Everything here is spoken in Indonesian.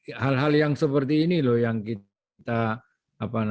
jadi mereka hal hal yang seperti ini loh yang kita siapkan sehingga peluang peluangnya